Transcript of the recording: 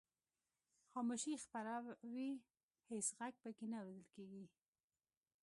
خاموشي خپره وي هېڅ غږ پکې نه اورېدل کیږي.